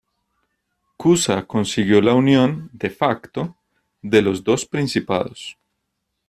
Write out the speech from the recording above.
Cuza consiguió la unión "de facto" de los dos principados.